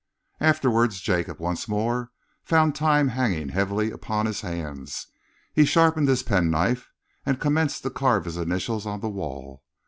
Afterwards Jacob once more found time hanging heavily upon his hands. He sharpened his penknife and commenced to carve his initials on the wall.